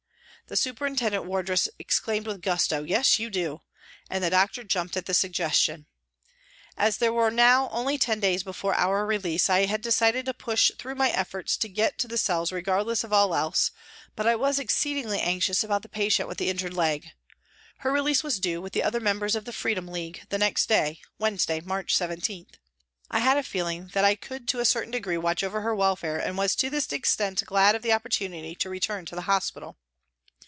The superintendent wardress exclaimed with gusto, " Yes, you do," and the doctor jumped at the suggestion. As there were now only ten days before 168 PRISONS AND PRISONERS our release I had decided to push through my efforts to get to the cells regardless of all else, but I was exceedingly anxious about the patient with the injured leg. Her release was due, with other mem bers of the Freedom League, the next day (Wed nesday, March 17). I had a feeling that I could to a certain degree watch over her welfare and was to this extent glad of the opportunity to return to the hospital.